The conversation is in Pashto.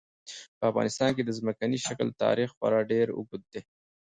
په افغانستان کې د ځمکني شکل تاریخ خورا ډېر اوږد دی.